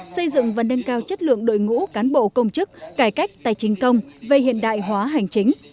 xây dựng và nâng cao chất lượng đội ngũ cán bộ công chức cải cách tài chính công về hiện đại hóa hành chính